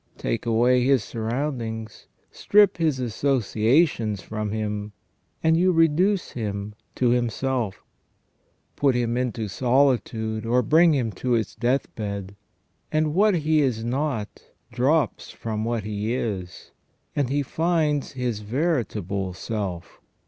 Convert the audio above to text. Take away his surroundings, strip his associations from him, and you reduce him to himself Put him into solitude, or bring him to his deathbed, and what he is not drops from what he is, and he finds his veritable self.